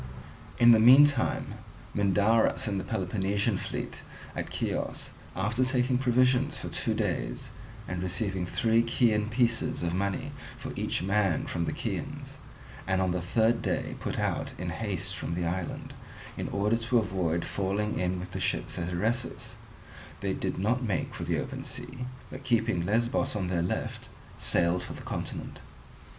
In the meantime Mindarus and the Peloponnesian fleet at Chios, after taking provisions for two days and receiving three Chian pieces of money for each man from the Chians, on the third day put out in haste from the island; in order to avoid falling in with the ships at Eresus, they did not make for the open sea, but keeping Lesbos on their left, sailed for the continent.